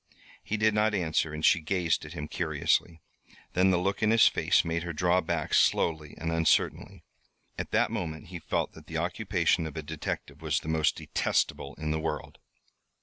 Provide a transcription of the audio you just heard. He did not answer, and she gazed at him curiously. Then the look in his face made her draw back, slowly and uncertainly. At that moment he felt that the occupation of a detective was the most detestable in the world.